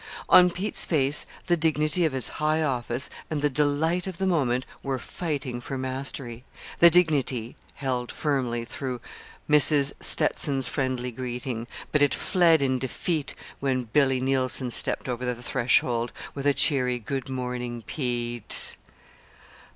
On Pete's face the dignity of his high office and the delight of the moment were fighting for mastery. The dignity held firmly through Mrs. Stetson's friendly greeting; but it fled in defeat when Billy Neilson stepped over the threshold with a cheery "Good morning, Pete."